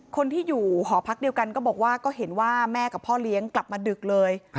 คนที่อยู่หอพักเดียวกันก็บอกว่าก็เห็นว่าแม่กับพ่อเลี้ยงกลับมาดึกเลย